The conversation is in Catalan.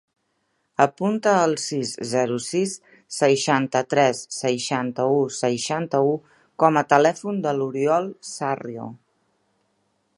Apunta el sis, zero, sis, seixanta-tres, seixanta-u, seixanta-u com a telèfon de l'Oriol Sarrio.